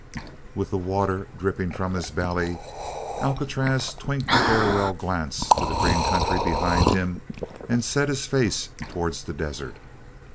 With the water dripping from his belly, Alcatraz twinked a farewell glance to the green country behind him and set his face towards the desert.